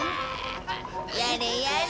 やれやれ。